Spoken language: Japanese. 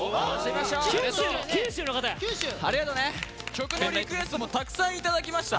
曲のリクエストもたくさんいただきました。